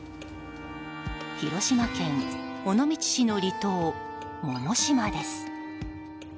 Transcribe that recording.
広島県尾道市の離島、百島です。